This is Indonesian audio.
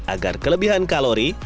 agar kelebihan kalori